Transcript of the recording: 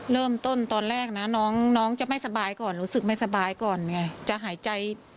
เริ่มต้นตอนแรกนะน้องจะไม่สบายก่อนรู้สึกไม่สบายก่อนไงจะหายใจ